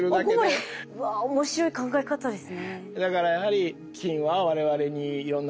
うわ面白い考え方ですね。